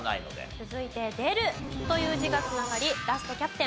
続いて「出る」という字が繋がりラストキャプテン